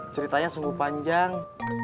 ceritanya sungguh panjang